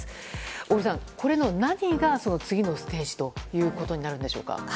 小栗さん、これの何が次のステージということになるのでしょうか。